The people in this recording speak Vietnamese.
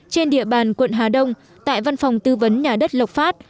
trên địa bàn quận hà đông tại văn phòng tư vấn nhà đất lộc phát